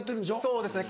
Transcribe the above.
そうですね